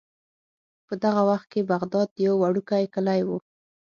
په دغه وخت کې بغداد یو وړوکی کلی و.